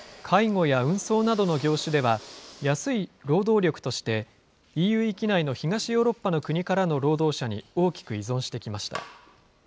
介護や運送などの業種では、安い労働力として、ＥＵ域内の東ヨーロッパの国からの労働者に大きく依存してきました。